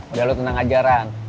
udah lo tenang aja rang